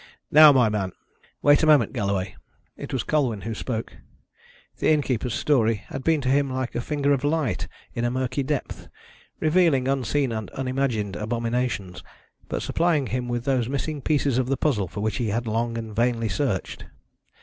Now, my man " "Wait a moment, Galloway." It was Colwyn who spoke. The innkeeper's story had been to him like a finger of light in a murky depth, revealing unseen and unimagined abominations, but supplying him with those missing pieces of the puzzle for which he had long and vainly searched.